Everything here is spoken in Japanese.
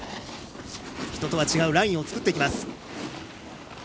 人とは違うラインを作っていきます。